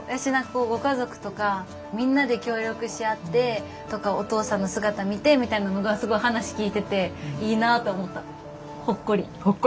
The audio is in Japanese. ご家族とかみんなで協力し合ってとかお父さんの姿見てみたいなのがすごい話聞いてていいなと思った。